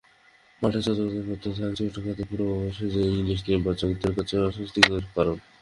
মাঠে যতই আধিপত্য থাক, চোটাঘাত পুরো অ্যাশেজই ইংলিশ নির্বাচকদের কাছে অস্বস্তির কারণ।